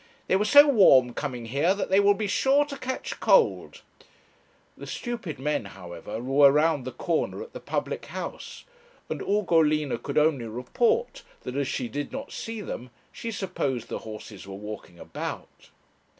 They were so warm coming here, that they will be sure to catch cold.' The stupid men, however, were round the corner at the public house, and Ugolina could only report that as she did not see them she supposed the horses were walking about.